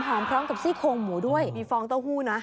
พร้อมกับซี่โครงหมูด้วยมีฟองเต้าหู้นะ